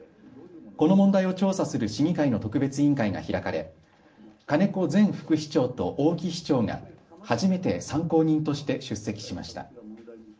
この問題を調査する市議会の特別委員会が開かれ金子前副市長と大木市長が初めて参考人として出席しました。